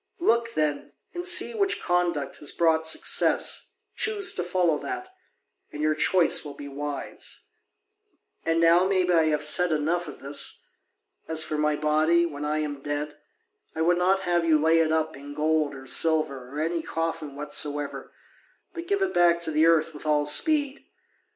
Look, then, and see which conduct has brought success, choose to follow that, and your choice will be wise. And now maybe I have said enough of this. As for my body, when I am dead, I would not have you lay it up in gold or silver or any coffin whatsoever, but give it back to the earth with all speed.